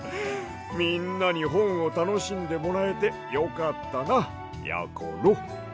みんなにほんをたのしんでもらえてよかったなやころ。